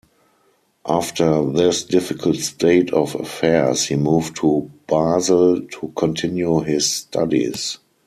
After this difficult state of affairs, he moved to Basel to continue his studies.